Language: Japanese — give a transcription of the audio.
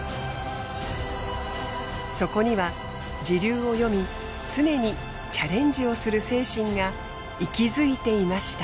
そこには時流を読み常にチャレンジをする精神が息づいていました。